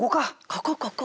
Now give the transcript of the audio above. ここここ。